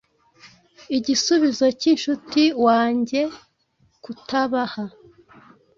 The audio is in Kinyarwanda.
Igisubizo cyinshuti wange kutabaha